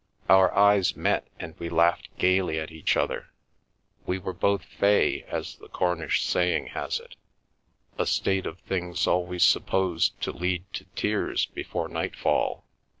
Our eyes met and we laughed gaily at each other. We were both " fey," as the Cornish saying has it, a state of things always supposed to lead to tears before night fall.